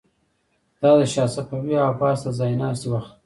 دا د شاه صفوي او عباس د ځای ناستي وخت و.